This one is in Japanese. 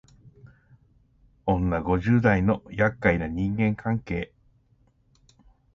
女五十代のやっかいな人間関係